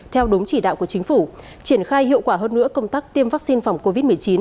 theo đúng chỉ đạo của chính phủ triển khai hiệu quả hơn nữa công tác tiêm vaccine phòng covid một mươi chín